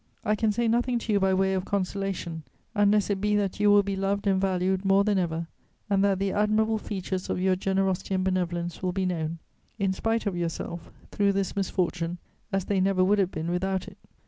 I can say nothing to you by way of consolation, unless it be that you will be loved and valued more than ever and that the admirable features of your generosity and benevolence will be known, in spite of yourself, through this misfortune, as they never would have been without it.